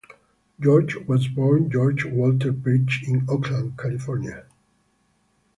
George was born George Walter Pearch in Oakland, California.